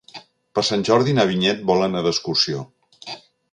Per Sant Jordi na Vinyet vol anar d'excursió.